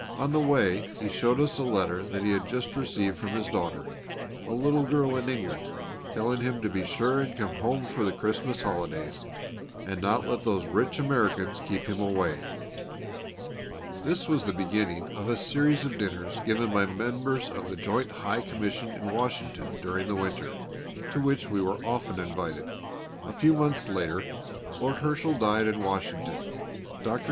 On the way he showed us a letter that he had just received from his daughter, a little girl in England, telling him to be sure and come home for the Christmas holidays, and not to let those rich Americans keep him away. This was the beginning of a series of dinners given by members of the Joint High Commission in Washington during the winter, to which we were often invited. A few months later Lord Herschel died in Washington. Dr.